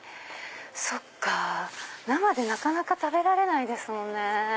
そっか生でなかなか食べられないですもんね。